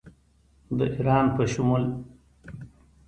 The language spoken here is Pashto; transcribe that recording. د ایران په شمول